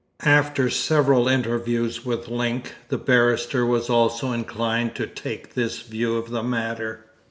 After several interviews with Link, the barrister was also inclined to take this view of the matter.